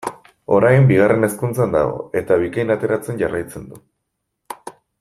Orain Bigarren Hezkuntzan dago eta Bikain ateratzen jarraitzen du.